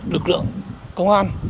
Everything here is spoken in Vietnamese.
lực lượng công an